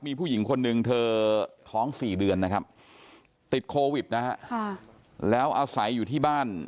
มีผู้หญิงคนหนึ่งเธอท้อง๔เดือนนะครับติดโควิดนะฮะแล้วอาศัยอยู่ที่บ้าน